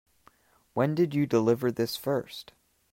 When did you deliver this first?